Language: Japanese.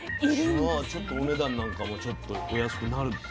じゃあちょっとお値段なんかもちょっとお安くなる流れなの？